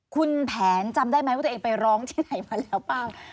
คุณแผนจำได้ไหมว่าตัวเองไปร้องที่ไหนมาแล้วบ้าง